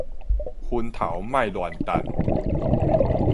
薰頭莫亂擲